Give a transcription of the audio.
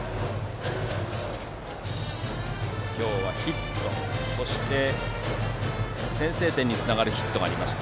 今日はヒット、そして先制点につながるヒットがありました。